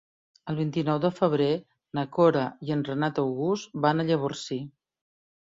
El vint-i-nou de febrer na Cora i en Renat August van a Llavorsí.